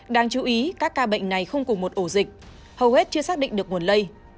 đáng chú ý các ca bệnh này không cùng một ổ dịch hầu hết chưa xác định được nguồn lây